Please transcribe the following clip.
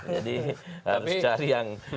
jadi harus cari yang